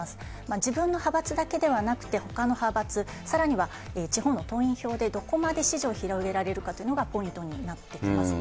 自分の派閥だけではなくて、ほかの派閥、さらには地方の党員票でどこまで支持を広げられるかというのがポイントになってきます。